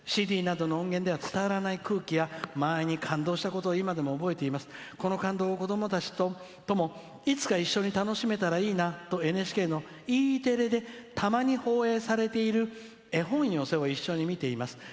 ＣＤなどの音源では伝わらない空気や間合いに感動したことを今でも覚えています、この感動を子どもたちともいつか一緒に楽しめたらいいなとＮＨＫのＥテレで、たまに放映されている番組を一緒に見ています。